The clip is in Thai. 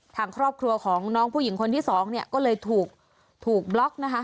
ทางครอบครัวของน้องผู้หญิงคนที่สองเนี่ยก็เลยถูกบล็อกนะคะ